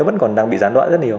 vẫn còn đang bị gián đoạn rất nhiều